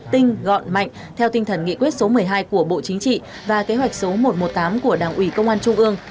tinh gọn mạnh theo tinh thần nghị quyết số một mươi hai của bộ chính trị và kế hoạch số một trăm một mươi tám của đảng ủy công an trung ương